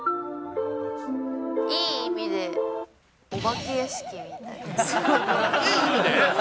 いい意味でお化け屋敷みたいいい意味で？